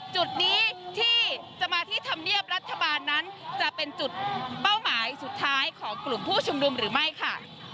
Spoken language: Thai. จุดนี้ที่จะมาที่ธรรมเนียบรัฐบาลนั้นจะเป็นจุดเป้าหมายสุดท้ายของกลุ่มผู้ชุมนุมหรือไม่ค่ะ